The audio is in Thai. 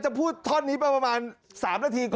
จะพูดถ้อนีไปประมาณ๓นาทีก่อน